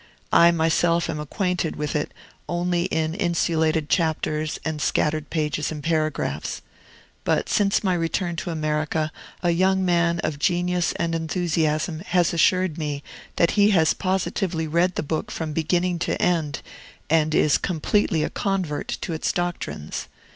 I myself am acquainted with it only in insulated chapters and scattered pages and paragraphs. But, since my return to America, a young man of genius and enthusiasm has assured me that he has positively read the book from beginning to end, and is completely a convert to its doctrines.